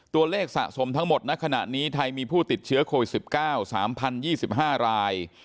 ตัวเลขสะสมทั้งหมดนะขณะนี้ไทยมีผู้ติดเชื้อโควิดสิบเก้าสามพันยี่สิบห้าราย